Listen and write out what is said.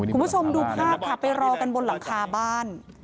คุณผู้ชมดูภาพค่ะไปรอกันบนหลังคาบ้าน